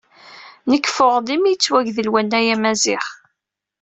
"Nekk, ffɣeɣ-d imi yettwagdel wannay amaziɣ."